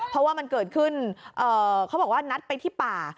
เพราะว่ามันเกิดขึ้นเขาบอกว่านัดไปที่ป่า